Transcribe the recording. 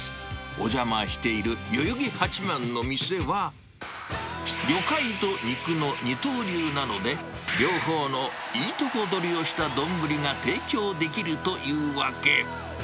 お邪魔している代々木八幡の店は、魚介と肉の二刀流なので、両方のいいとこどりをした丼が提供できるというわけ。